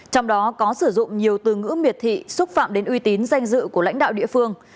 trong đó có sử dụng nhiều từ ngữ miệt thị xúc phạm đến uy tín danh dự của lãnh đạo địa phương